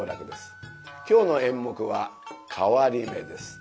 今日の演目は「替り目」です。